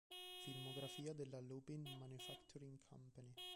Filmografia della Lubin Manufacturing Company